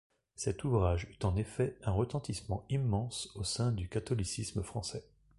Cet ouvrage eut en effet un retentissement immense au sein du catholicisme français.